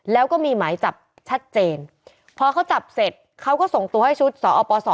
แล้วก็มีหมายจับชัดเจนพอเขาจับเสร็จเขาก็ส่งตัวให้ชุดสอป๒